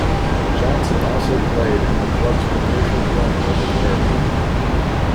Johnson also played in the club's premiership win over Werribee.